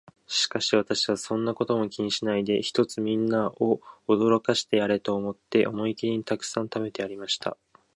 しかし私は、そんなことは気にしないで、ひとつみんなを驚かしてやれと思って、思いきりたくさん食べてやりました。